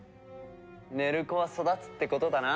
寝る子は育つってことだな。